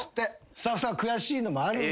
スタッフさん悔しいのもある。